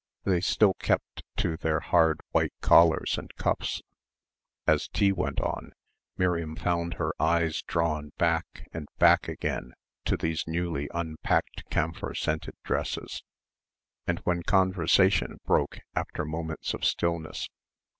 They still kept to their hard white collars and cuffs. As tea went on Miriam found her eyes drawn back and back again to these newly unpacked camphor scented dresses ... and when conversation broke after moments of stillness